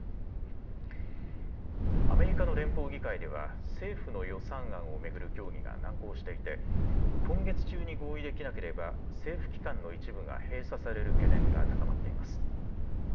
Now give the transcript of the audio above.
アメリカの連邦議会では政府の予算案を巡る協議が難航していて、今月中に合意できなければ政府機関の一部が閉鎖される懸念が高まっています。